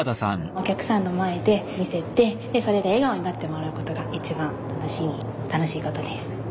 お客さんの前で見せてそれで笑顔になってもらうことが一番楽しみ楽しいことです。